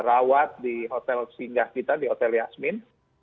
rawat di hotel singgah kita di hotel yasmin